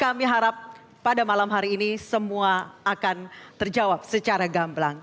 kami harap pada malam hari ini semua akan terjawab secara gamblang